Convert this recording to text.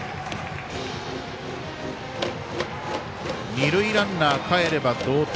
二塁ランナー、かえれば同点。